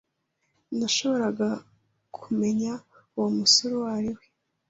Nashoboraga kumenya uwo musore uwo ari we.